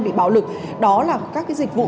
bị bạo lực đó là các cái dịch vụ